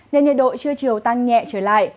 nên nhiệt độ chưa chiều tăng nhẹ trở lại